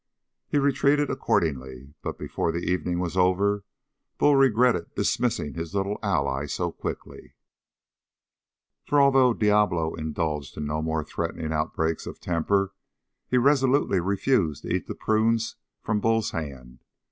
He retreated accordingly, but before the evening was over, Bull regretted dismissing his little ally so quickly, for although Diablo indulged in no more threatening outbreaks of temper, he resolutely refused to eat the prunes from Bull's hand.